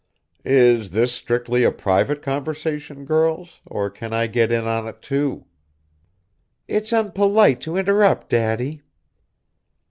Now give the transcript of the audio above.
(Is this strictly a private conversation, girls, or can I get in on it, too?) (It's unpolite to interrupt, Daddy.)